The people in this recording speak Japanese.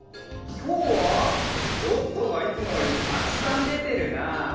きょうはヨットがいつもよりたくさんでてるな。